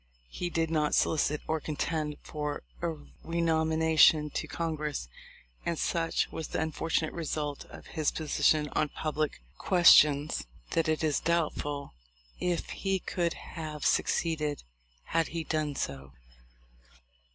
He did not solicit or contend for a renomina tion to Congress, and such was the unfortunate result of his position on public questions that it is doubtful if he could have succeeded had he done so.